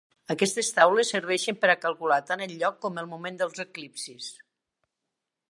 Aquestes taules serveixen per a calcular tant el lloc com el moment dels eclipsis.